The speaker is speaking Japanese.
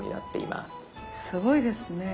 すごいですね。